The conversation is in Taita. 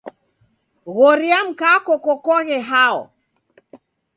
Ghoria mkwako kokoghe hao.